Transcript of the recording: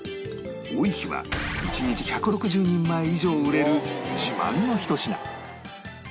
多い日は１日１６０人前以上売れる自慢のひと品